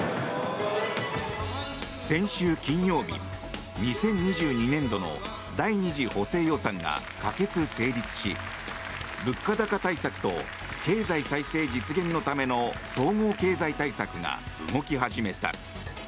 先週金曜日、２０２２年度の第２次補正予算が可決・成立し物価高対策と経済再生実現のための総合経済対策が動き始めた。